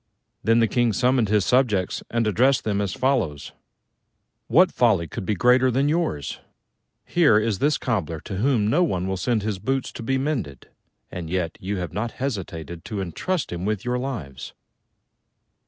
Then the King summoned his subjects and addressed them as follows: "What folly could be greater than yours? Here is this Cobbler to whom no one will send his boots to be mended, and yet you have not hesitated to entrust him with your lives!"